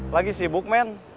lagi sibuk mn